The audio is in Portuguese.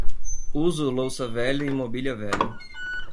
Uso louça velha e mobília velha.